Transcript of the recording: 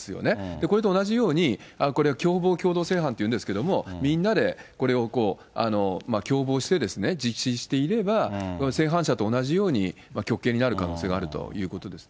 これと同じように、これは共謀共同正犯というんですけど、みんなでこれを共謀して実施していれば、正犯者と同じように、極刑になる可能性があるということですね。